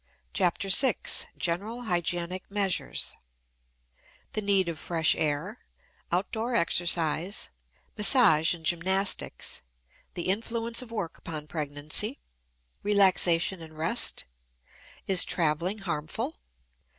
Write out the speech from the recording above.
CHAPTER VI GENERAL HYGIENIC MEASURES The Need of Fresh Air Outdoor Exercise Massage and Gymnastics The Influence of Work upon Pregnancy Relaxation and Rest Is Traveling Harmful?